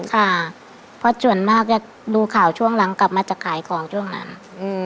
ค่ะเพราะส่วนมากจะดูข่าวช่วงหลังกลับมาจะขายของช่วงนั้น